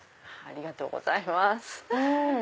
ありがとうございます。